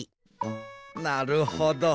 なるほど。